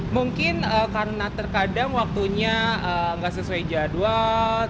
mungkin karena terkadang waktunya gak sesuai jalan